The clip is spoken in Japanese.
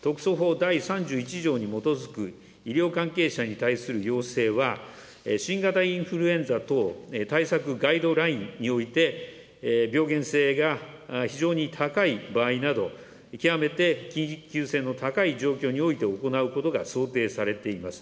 第３１条に基づく医療関係者に対する要請は、新型インフルエンザ等対策ガイドラインにおいて、病原性が非常に高い場合など、極めて緊急性の高い状況において、行うことが想定されています。